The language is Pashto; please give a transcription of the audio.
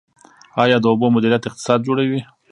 آیا د اوبو مدیریت اقتصاد جوړوي؟